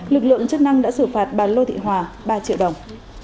lực lượng chức năng đã xử phạt bà lô thị hòa ba triệu đồng